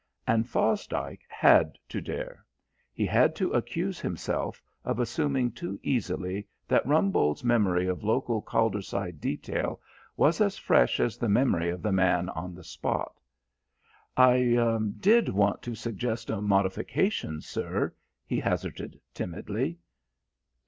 And Fosdike had to dare; he had to accuse himself of assuming too easily that Rumbold's memory of local Calderside detail was as fresh as the memory of the man on the spot. "I did want to suggest a modification, sir," he hazarded timidly.